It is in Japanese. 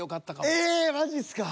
ええっマジっすか？